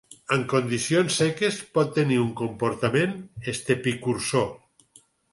En condicions seques pot tenir un comportament estepicursor.